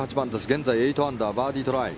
現在８アンダーバーディートライ。